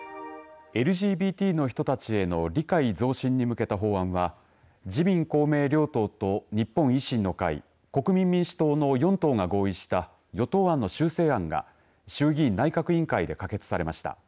ＬＧＢＴの人たちへの理解増進に向けた法案は自民・公明両党と日本維新の会国民民主党の４党が合意した与党案の修正案が衆議院内閣委員会で可決されました。